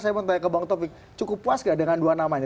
saya mau tanya ke bang taufik cukup puas nggak dengan dua namanya